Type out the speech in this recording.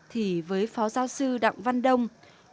thì với phó giáo sư đặng văn đông